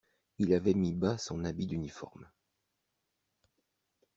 Il avait mis bas son habit d'uniforme.